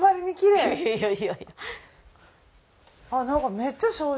いやいや。